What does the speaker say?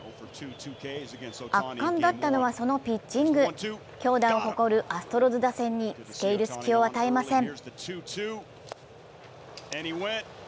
圧巻だったのはそのピッチング、強打を誇るアストロズ打線につけいる隙を与えません。